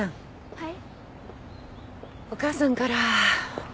はい。